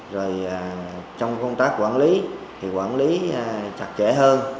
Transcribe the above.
rồi trong công tác quản lý thì quản lý chặt chẽ hơn